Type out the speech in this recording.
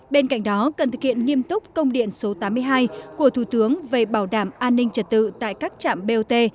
bên cạnh đó cần thực hiện nghiêm túc công điện số tám mươi hai của thủ tướng về bảo đảm an ninh trật tự tại các trạm bot